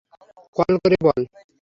Call করে বল।